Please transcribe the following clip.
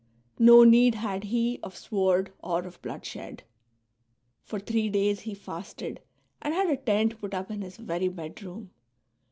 No need had he of sword or of bloodshed ; for three days he fasted and had a tent put up in his very bedroom.''